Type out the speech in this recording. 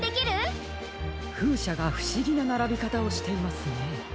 ふうしゃがふしぎなならびかたをしていますね。